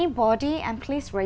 không phối hợp